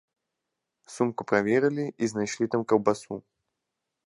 Сумку праверылі і знайшлі там каўбасу.